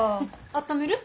あっためる？